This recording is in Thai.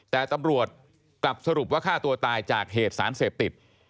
แต่ตำรวจกลับสรุปว่าฆ่าตัวตายจากเหตุสารเสพติด